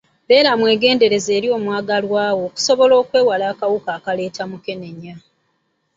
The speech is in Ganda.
Beera mwegendereza eri omwagalwa wo okusobola okwewala akawuka akaleeta mukenenya.